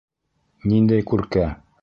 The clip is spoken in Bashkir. — Ниндәй күркә?